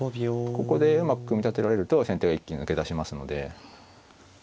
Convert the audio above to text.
ここでうまく組み立てられると先手が一気に抜け出しますので。